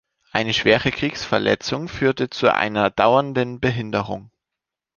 Eine schwere Kriegsverletzung führte zu einer dauernden Behinderung.